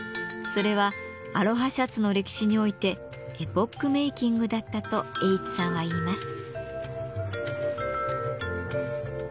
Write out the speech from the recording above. それはアロハシャツの歴史においてエポックメーキングだったと英知さんはいいます。